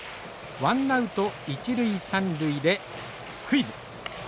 ワンナウト一塁三塁でスクイズ。